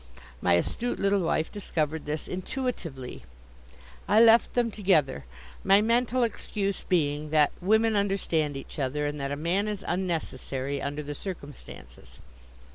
My astute little wife discovered this intuitively. I left them together, my mental excuse being that women understand each other and that a man is unnecessary, under the circumstances.